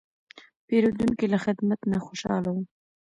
پیرودونکی له خدمت نه خوشاله و.